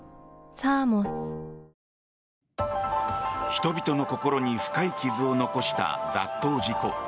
人々の心に深い傷を残した雑踏事故。